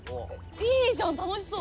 いいじゃん楽しそう！